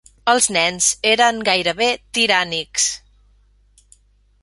Els nens eren gairebé tirànics.